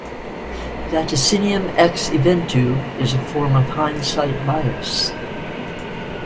"Vaticinium ex eventu" is a form of hindsight bias.